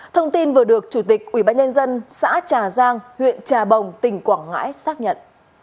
thông tin vừa được chủ tịch ubnd xã trà giang huyện trà bồng tỉnh quảng ngãi xác nhận